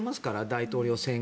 大統領選。